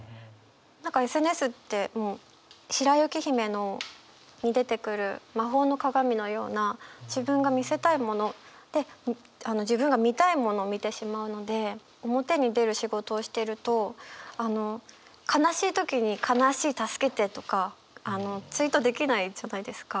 何かＳＮＳってもう「白雪姫」に出てくる魔法の鏡のような自分が見せたいもので自分が見たいものを見てしまうので表に出る仕事をしてるとあの悲しい時に「悲しい助けて」とかツイートできないじゃないですか。